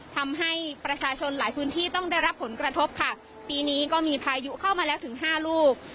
ทำให้ประชาชนหลายพื้นที่ต้องได้รับผลกระทบค่ะปีนี้ก็มีพายุเข้ามาแล้วถึงห้าลูก